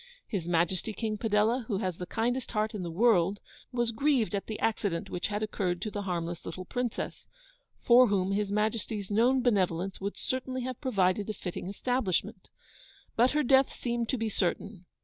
'His Majesty King Padella, who has the kindest heart in the world, was grieved at the accident which had occurred to the harmless little Princess, for whom His Majesty's known benevolence would certainly have provided a fitting establishment. But her death seemed to be certain.